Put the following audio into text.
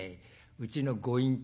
うちのご隠居。